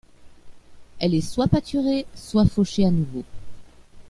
Elle est soit pâturée, soit fauchée à nouveau.